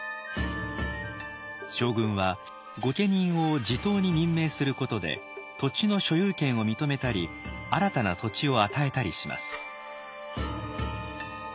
将軍は御家人を地頭に任命することで土地の所有権を認めたり新たな土地を与えたりします。